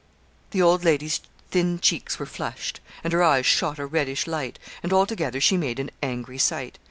The old lady's thin cheeks were flushed, and her eyes shot a reddish light, and altogether she made an angry sight.